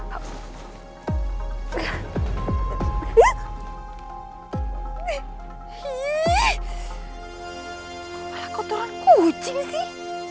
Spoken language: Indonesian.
kepala kotoran kucing sih